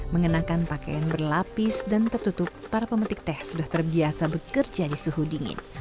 mengenakan pakaian berlapis dan tertutup para pemetik teh sudah terbiasa bekerja di suhu dingin